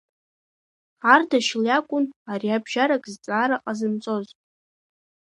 Ардашьыл иакәын ариабжьарак зҵаара ҟазымҵоз.